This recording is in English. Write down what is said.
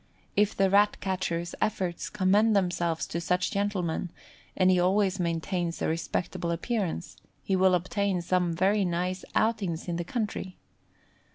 If the Rat catcher's efforts commend themselves to such gentlemen, and he always maintains a respectable appearance, he will obtain some very nice outings in the country.